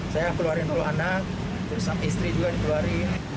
saya keluarin pulang anak terus istri juga keluarin